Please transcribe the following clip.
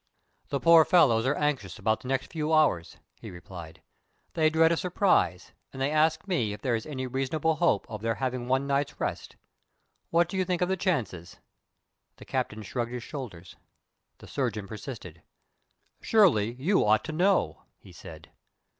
"The poor fellows are anxious about the next few hours," he replied. "They dread a surprise, and they ask me if there is any reasonable hope of their having one night's rest. What do you think of the chances?" The captain shrugged his shoulders. The surgeon persisted. "Surely you ought to know?" he said.